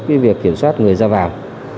việc kiểm soát người ra vào